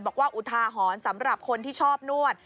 อุทาหรณ์สำหรับคนที่ชอบนวด